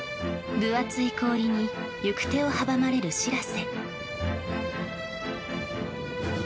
分厚い氷に行く手を阻まれる「しらせ」。